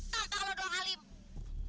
gak benar mak